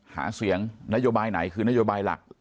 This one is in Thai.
หาเสียงนโยบายไหนคือนโยบายหลัก